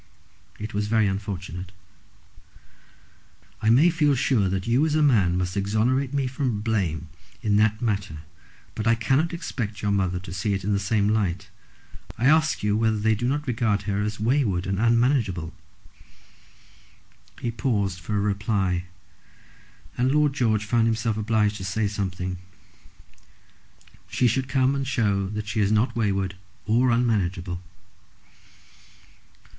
"It was very unfortunate." "I may feel sure that you as a man must exonerate me from blame in that matter, but I cannot expect your mother to see it in the same light. I ask you whether they do not regard her as wayward and unmanageable?" He paused for a reply; and Lord George found himself obliged to say something. "She should come and show that she is not wayward or unmanageable."